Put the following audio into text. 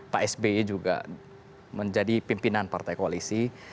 pak sby juga menjadi pimpinan partai koalisi